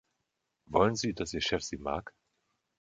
Wollen Sie, dass Ihr Chef Sie mag?